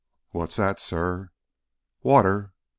"What's that, suh?" "Water.